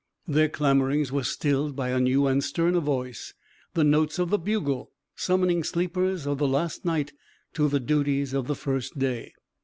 Their clamorings were stilled by a new and sterner voice the notes of the bugle summoning sleepers of the last night to the duties of the first day.